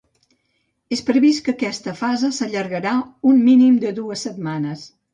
És previst que aquesta fase s’allargarà un mínim de dues setmanes.